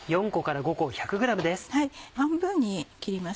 半分に切ります